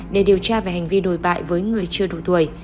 để điều tra về hành vi đồi bại với người chưa đủ tuổi